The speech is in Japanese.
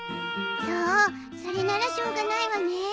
そうそれならしょうがないわね。